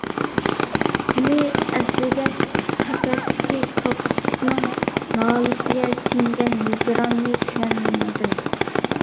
سىنى ئەسلىگەچ قەپەستىكى كاككۇكنىڭ نالىسىگە سىڭگەن ھىجراننى چۈشەندىم.